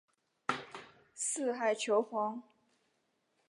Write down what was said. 四海求凰。